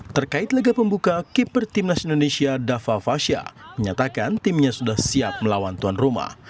terkait lega pembuka keeper timnas indonesia dava fasha menyatakan timnya sudah siap melawan tuan rumah